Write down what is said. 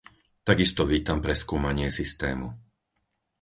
Takisto vítam preskúmanie systému.